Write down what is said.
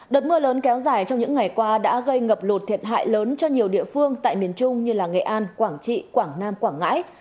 đợt mưa lớn kéo dài trong những ngày qua đã gây ngập lụt thiệt hại lớn cho nhiều địa phương tại miền trung như nghệ an quảng trị quảng nam quảng ngãi